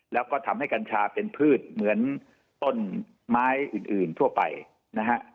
แล้วก็ทำให้กัญชาเป็นพืชเหมือนต้นไม้อื่นทั่วไปนะฮะ